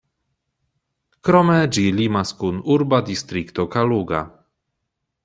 Krome, ĝi limas kun urba distrikto Kaluga.